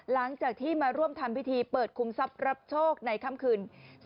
หลังจากที่มาร่วมทำพิธีเปิดคุมทรัพย์รับโชคในค่ำคืน